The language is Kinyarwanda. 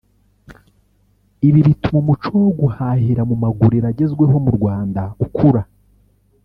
ibi bituma umuco wo guhahira mu maguriro agezweho mu Rwanda ukura